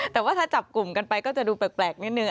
แต่ว่าถ้าจับกลุ่มกันไปก็จะดูแปลกนิดนึง